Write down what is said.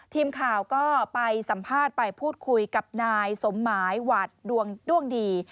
ทีมข่าวก็ไปสัมภาษณ์ไปพูดคุยกับนายสมหมายหวัดด้วงดี